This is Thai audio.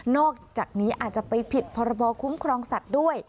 อกจากนี้อาจจะไปผิดพรบคุ้มครองสัตว์ด้วย